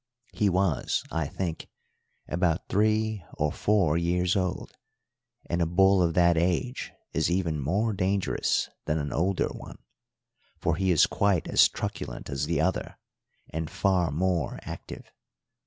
He was, I think, about three or four years old, and a bull of that age is even more dangerous than an older one; for he is quite as truculent as the other and far more active.